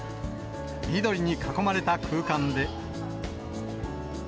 緑に囲まれた空間で。